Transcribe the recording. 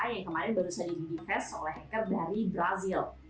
yang kemarin baru saja di defest oleh hacker dari brazil